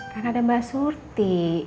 kan ada mbak surti